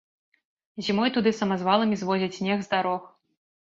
Зімой туды самазваламі звозяць снег з дарог.